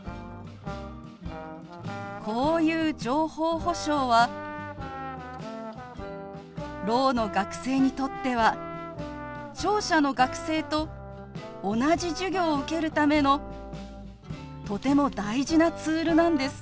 こういう情報保障はろうの学生にとっては聴者の学生と同じ授業を受けるためのとても大事なツールなんです。